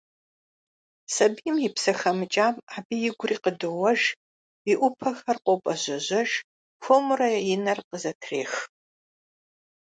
Сабийм и псэ хэмыкӏам абы игури къыдоуэж, и ӏупэхэр къопӏэжьэжьэж, хуэмурэ и нэр къызэтрех…